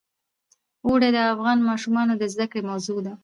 اوړي د افغان ماشومانو د زده کړې موضوع ده.